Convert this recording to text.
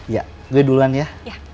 ya gue duluan ya